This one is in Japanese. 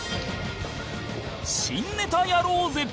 「新ネタやろうぜ！」